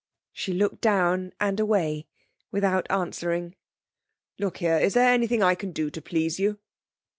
She looked down and away without answering. 'Look here, is there anything I can do to please you?'